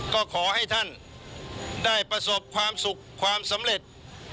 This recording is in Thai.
ก็ขอให้ท่านได้ประสบความสุขความสำเร็จ